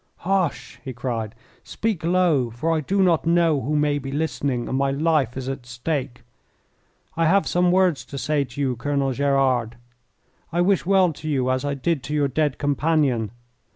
"Hush!" he cried. "Speak low, for I do not know who may be listening, and my life is at stake. I have some words to say to you, Colonel Gerard; I wish well to you, as I did to your dead companion.